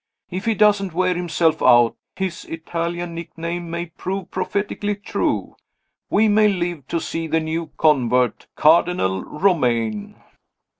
If he doesn't wear himself out, his Italian nickname may prove prophetically true. We may live to see the new convert, Cardinal Romayne."